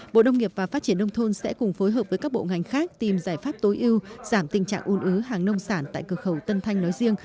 bộ đông nghiệp và phát triển nông thôn sẽ cùng phối hợp với các bộ ngành khác tìm giải pháp tối ưu giảm tình trạng ồn ứ hàng nông sản tại cửa khẩu tân thanh nói riêng